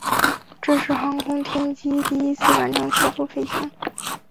这是航天飞机第一次完全操作飞行。